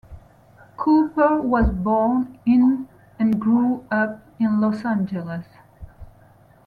Cooper was born in and grew up in Los Angeles.